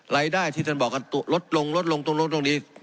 รายได้ที่ท่านบอกว่าลดลงลดลงตรงนู้นตรงนี้